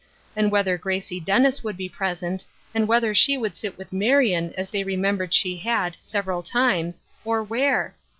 and whether Grace Dennis would be present, and whether she would sit with Marion as they remembered she had, sev eral times, or where